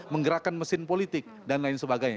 menggerakkan mesin politik dan lain sebagainya